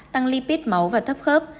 tăng lipid máu và thấp khớp